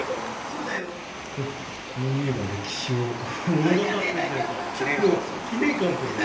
そうだよこの家が歴史を物語ってるというか記念館ですよね